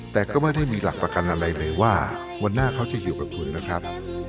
แต่ก็ไม่ได้มีหลักประกันอะไรเลยว่าวันหน้าเขาจะอยู่กับคุณนะครับ